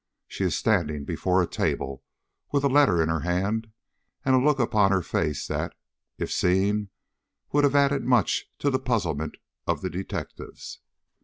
She is standing before a table with a letter in her hand and a look upon her face that, if seen, would have added much to the puzzlement of the detectives.